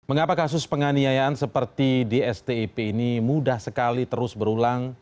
mengapa kasus penganiayaan seperti di stip ini mudah sekali terus berulang